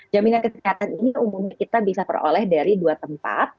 jaminan kesehatan ini umumnya kita bisa peroleh dari dua tempat